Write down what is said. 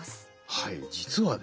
はい実はですね